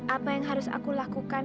apa yang harus aku lakukan